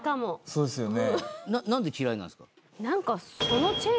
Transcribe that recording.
そうですよね。何か。